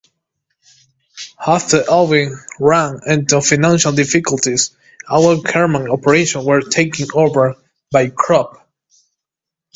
After Alweg ran into financial difficulties, Alweg's German operations were taken over by Krupp.